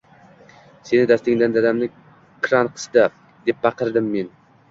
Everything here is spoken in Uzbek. Seni dastingdan dadamni kran qisdi! Deb baqirdim men.